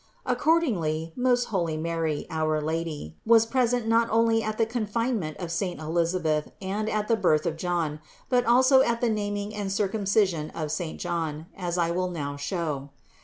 Accordingly most holy Mary, our Lady, was present not only at the confine ment of saint Elisabeth and at the birth of John, but also at the naming and circumcision of saint John, as I will now show.